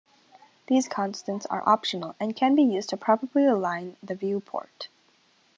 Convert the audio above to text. These constants are optional, and can be used to properly align the viewport.